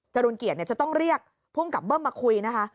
จรุงเกียรติจะต้องเรียกพ่วงกับเบิ้มมาคุยนะค่ะ